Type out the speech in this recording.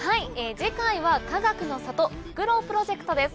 次回はかがくの里フクロウプロジェクトです。